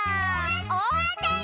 おおあたり！